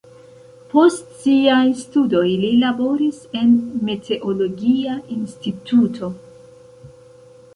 Post siaj studoj li laboris en meteologia instituto.